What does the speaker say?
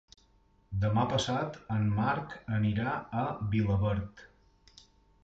Demà passat en Marc anirà a Vilaverd.